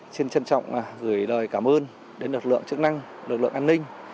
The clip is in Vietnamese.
xin trân trọng gửi lời cảm ơn đến lực lượng chức năng lực lượng an ninh